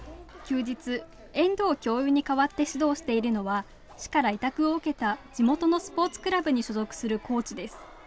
休日、遠藤教諭に代わって指導しているのは市から委託を受けた地元のスポーツクラブに所属するコーチです。